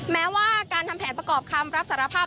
แม้ว่าการทำแผนประกอบคำรับสารภาพ